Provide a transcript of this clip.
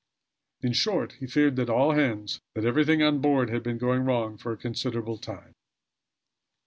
In short, he feared that all hands that everything on board, had been going wrong for a considerable time.